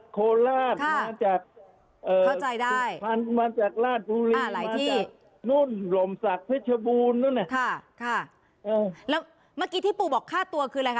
วันเดียวน่ะนะเป็นร้านเลยหรอคะใช่ใช่คุณก็มาดูสิ